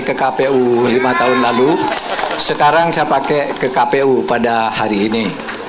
ke kpu lima tahun lalu sekarang saya pakai ke kpu pada hari ini